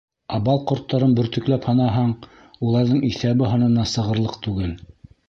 Ә Бал ҡорттарын бөртөкләп һанаһаң, уларҙың иҫәбе-һанына сығырлыҡ түгел.